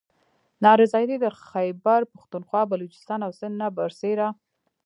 نا رضایتي د خیبر پښتونخواه، بلوچستان او سند نه بر سیره